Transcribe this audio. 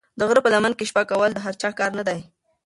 د غره په لمن کې شپه کول د هر چا کار نه دی.